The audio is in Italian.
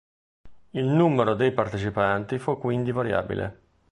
Il numero dei partecipanti fu quindi variabile.